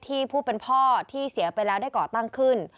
ผู้เป็นพ่อที่เสียไปแล้วได้ก่อตั้งขึ้น